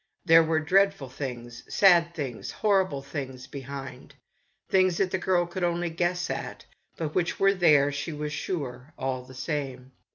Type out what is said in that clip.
There were dreadful things, sad things, horrible things behind. Things that the girl could only guess at, but which were there, she was sure, all the same.